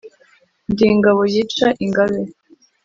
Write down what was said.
Ndi ingabo yica ingabe.